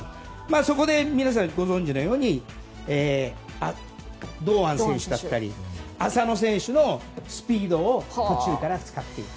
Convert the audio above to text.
そこで皆さん、ご存じのように堂安選手だったり浅野選手のスピードを途中から使っていく。